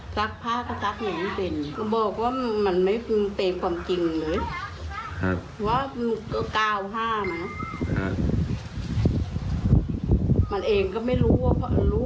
ซักพระก็ซักอย่างไม่เป็น